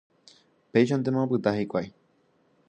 Péichantema opyta hikuái.